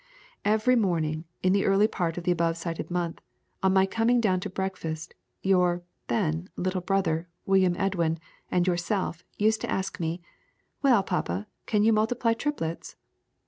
Every morning in the early part of the above cited month, on my coming down to breakfast, your (then) little brother William Edwin, and yourself, used to ask me, 'Well papa, can you multiply triplets?'